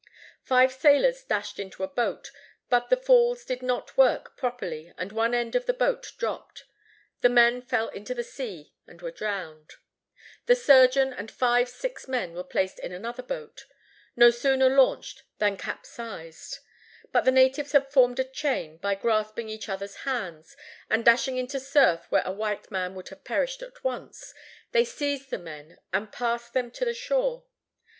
Five sailors dashed into a boat; but the falls did not work properly, and one end of the boat dropped. The men fell into the sea and were drowned. The surgeon and five sick men were placed in another boat: no sooner launched than capsized. But the natives had formed a chain by grasping each others hands; and dashing into surf where a white man would have perished at once, they seized the men and passed them to the shore.